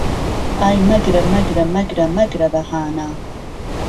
ئای مهگره مهگره مهگره مهگره بههانه